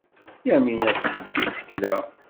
Yamina tettebbi isekla.